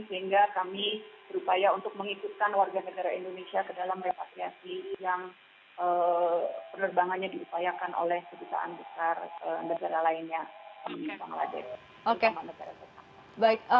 sehingga kami berupaya untuk mengikutkan warga negara indonesia ke dalam repatriasi yang penerbangannya dirupayakan oleh kbri